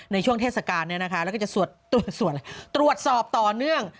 ในช่วงเทศกาลแล้วก็จะตรวจสอบต่อเนื่อง